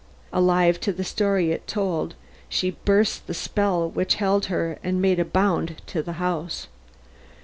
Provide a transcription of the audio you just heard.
Alive to the story it told, she burst the spell which held her and made a bound toward the house.